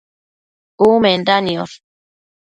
Umenda niosh